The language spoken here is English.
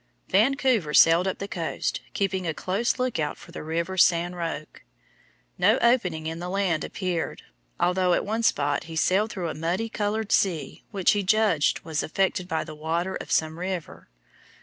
Vancouver sailed up the coast, keeping a close lookout for the river San Roque. No opening in the land appeared, although at one spot he sailed through a muddy colored sea which he judged was affected by the water of some river.